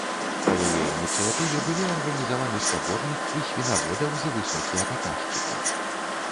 Па яе ініцыятыве былі арганізаваны спаборніцтвы свінаводаў за высокія паказчыкі.